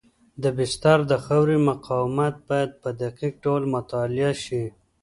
د بستر د خاورې مقاومت باید په دقیق ډول مطالعه شي